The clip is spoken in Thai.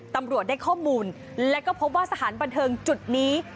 ตำรวจได้ข้อมูลและก็พบว่าสถานบันเทิงจุดนี้